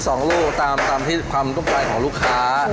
ก็ต้องให้ได้๓๒ลูกตามที่ความกำจัดของลูกค้า